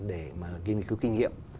để mà nghiên cứu kinh nghiệm